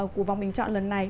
của vòng bình chọn lần này